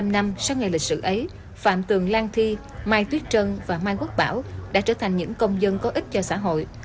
bảy mươi năm năm sau ngày lịch sử ấy phạm tường lan thi mai tuyết trân và mai quốc bảo đã trở thành những công dân có ích cho xã hội